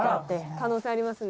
「可能性ありますね」